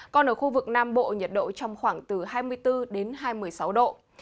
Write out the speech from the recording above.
còn ở khu vực nam bộ nhiệt độ trong khoảng từ hai mươi bốn đến hai mươi sáu độ